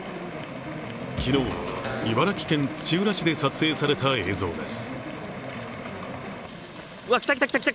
昨日、茨城県土浦市で撮影された映像です。